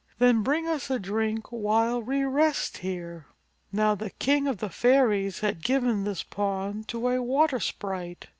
Then bring us a drink while we rest here." Now the King of the Fairies had given this pond to a water sprite.